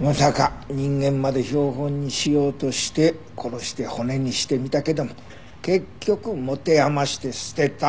まさか人間まで標本にしようとして殺して骨にしてみたけども結局持て余して捨てた。